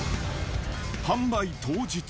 販売当日。